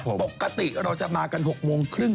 ปกติเราจะมากัน๖โมงครึ่ง